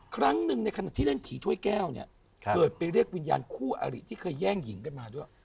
ครั้งหนึ่งในขณะที่เล่นผีถ้วยแก้วเนี่ยเกิดไปเรียกวิญญาณคู่อริที่เคยแย่งหญิงกันมาด้วย